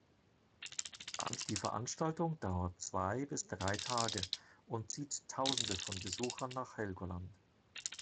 Die Veranstaltung dauert zwei bis drei Tage und zieht Tausende von Besuchern nach Helgoland.